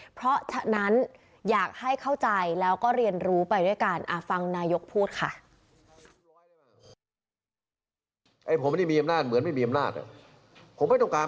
เพราะฉะนั้นอยากให้เข้าใจแล้วก็เรียนรู้ไปด้วยกันฟังนายกพูดค่ะ